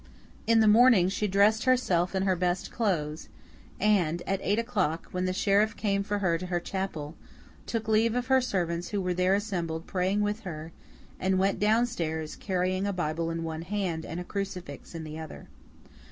In the morning she dressed herself in her best clothes; and, at eight o'clock when the sheriff came for her to her chapel, took leave of her servants who were there assembled praying with her, and went down stairs, carrying a Bible in one hand and a crucifix in the other.